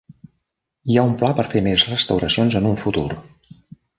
Hi ha un pla per fer més restauracions en un futur.